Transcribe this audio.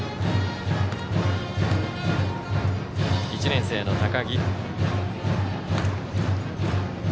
１年生の高木。